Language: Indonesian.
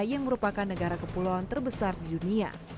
yang merupakan negara kepulauan terbesar di dunia